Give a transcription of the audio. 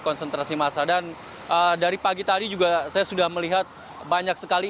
konsentrasi massa dan dari pagi tadi juga saya sudah melihat banyak sekali